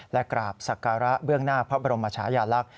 และกราบศักระเบื้องหน้าพระบรมชายาลักษณ์